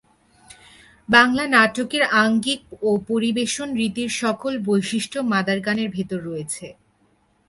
বাংলা নাটকের আঙ্গিক ও পরিবেশন রীতির সকল বৈশিষ্ট্য মাদার গানের ভেতর রয়েছে।